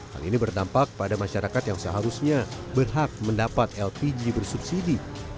hal ini berdampak pada masyarakat yang seharusnya berhak mendapat lpg bersubsidi